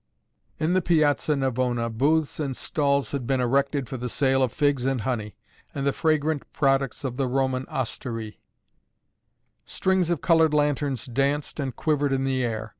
In the Piazza Navona booths and stalls had been erected for the sale of figs and honey, and the fragrant products of the Roman osterié. Strings of colored lanterns danced and quivered in the air.